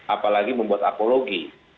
apalagi membuat apologi